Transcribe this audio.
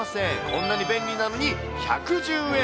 こんなに便利なのに１１０円。